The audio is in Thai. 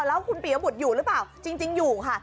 แล้วคุณปียบุตรอยู่หรือเปล่าจริงอยู่ค่ะ